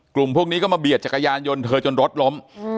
กลุ่มพวกนี้ก็มาเบียดจักรยานยนต์เธอจนรถล้ม